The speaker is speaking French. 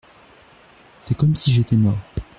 C'est comme si j'étais mort.